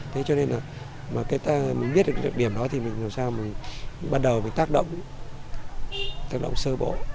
thế cho nên là mình biết được điểm đó thì mình làm sao mình bắt đầu mình tác động tác động sơ bộ